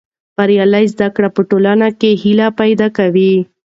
بریالۍ زده کړه په ټولنه کې هیله پیدا کوي.